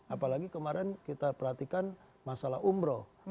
apalagi kemarin kita perhatikan masalah umroh